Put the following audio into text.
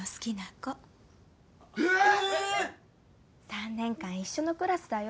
３年間一緒のクラスだよ。